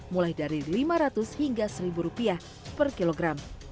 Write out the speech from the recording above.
mulai dari lima ratus hingga seribu rupiah per kilogram